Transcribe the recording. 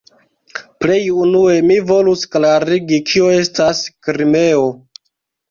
Plej unue mi volus klarigi, kio estas "Krimeo".